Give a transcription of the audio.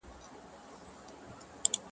عمر تېر سو وېښته سپین سول ځواني وخوړه کلونو -